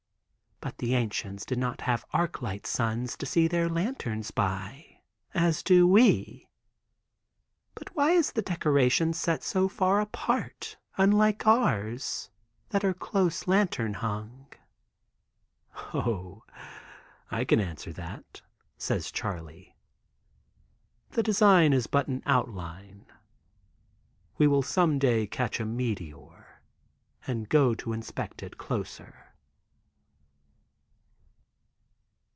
But the ancients did not have arc light suns, to see their lanterns by, as do we. But why is the decoration set so far apart, unlike ours, that are close lantern hung?" "Oh, I can answer that," says Charley. "The design is but in outline. We will some day catch a meteor, and go to inspect it closer."